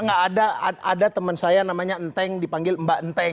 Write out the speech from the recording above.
nggak ada teman saya namanya enteng dipanggil mbak enteng